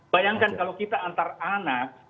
bayangkan kalau kita antar anak